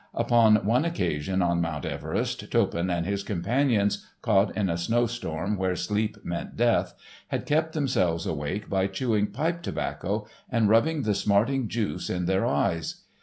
Upon one occasion on Mount Everest, Toppan and his companions, caught in a snow storm where sleep meant death, had kept themselves awake by chewing pipe tobacco, and rubbing the smarting juice in their eyes.